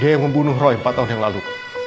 dia yang membunuh roy empat tahun yang lalu